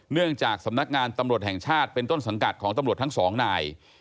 เนื่องจากสำนักงานตำรวจแห่งชาติเป็นต้นสังกัดของตำรวจทั้งสองนาย